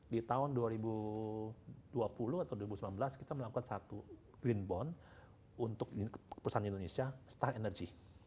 di tahun dua ribu dua puluh atau dua ribu sembilan belas kita melakukan satu green bond untuk perusahaan indonesia star energy